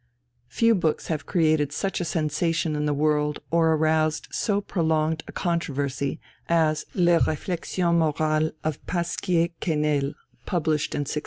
] Few books have created such a sensation in the world or aroused so prolonged a controversy as Les Réflexions Morales of Pasquier Quesnel, published in 1671.